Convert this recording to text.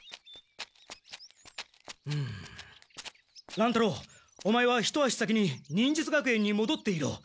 乱太郎オマエは一足先に忍術学園にもどっていろ。